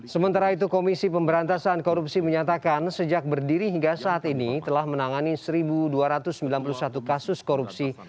sementara itu komisi pemberantasan korupsi menyatakan sejak berdiri hingga saat ini telah menangani satu dua ratus sembilan puluh satu kasus korupsi